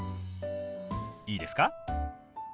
いいですか？